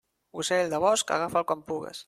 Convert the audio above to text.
Ocell de bosc, agafa'l quan pugues.